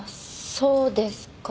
そうですか。